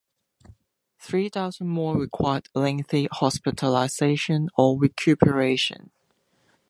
Three thousand more required lengthy hospitalization or recuperation.